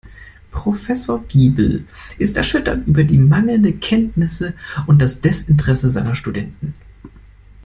Professor Giebel ist erschüttert über die mangelnden Kenntnisse und das Desinteresse seiner Studenten.